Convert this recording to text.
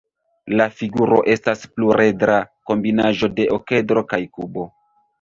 La figuro estas pluredra kombinaĵo de okedro kaj kubo.